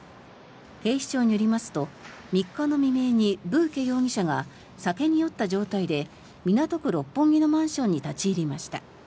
警視庁によりますと３日の未明にブーケ容疑者が酒に酔った状態で港区六本木のマンションに立ち入りました。